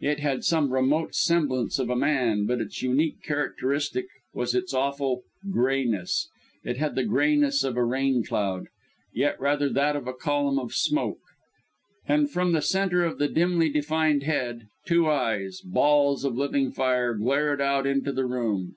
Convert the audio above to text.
It had some remote semblance of a man; but its unique characteristic was its awful greyness. It had the greyness of a rain cloud, yet rather that of a column of smoke. And from the centre of the dimly defined head, two eyes balls of living fire glared out into the room!